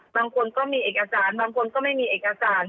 บางคนก็มีเอกสารบางคนก็ไม่มีเอกสาร